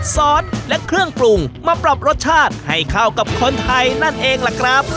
สอบรสชาติให้เข้ากับคนไทนั่นเองล่ะครับ